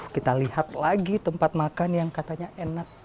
kita lihat lagi tempat makan yang katanya enak